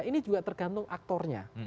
ini juga tergantung aktornya